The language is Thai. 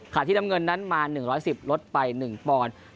ที่น้ำเงินนั้นมา๑๑๐ลดไป๑ปอนด์